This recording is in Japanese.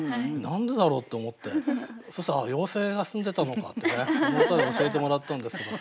何でだろうって思ってそしたら妖精が棲んでたのかってねこの歌で教えてもらったんですけど。